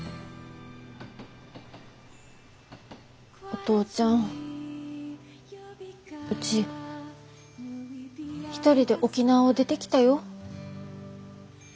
お父ちゃんうち一人で沖縄を出てきたよ。